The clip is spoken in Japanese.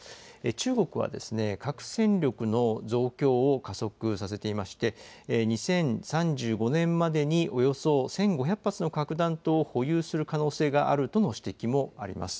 中国は核戦力の増強を加速させていまして、２０３５年までにおよそ１５００発の核弾頭を保有する可能性があるとの指摘もあります。